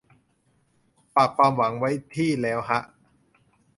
ฝากความหวังไว้ที่ แล้วฮะ